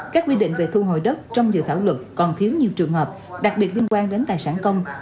các quy định về thu hồi đất trong dự thảo luật còn thiếu nhiều trường hợp đặc biệt liên quan đến tài sản công